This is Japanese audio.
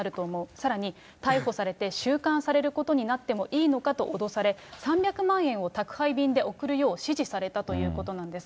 さらに、逮捕されて収監されることになってもいいのかと脅され、３００万円を宅配便で送るよう指示されたということなんです。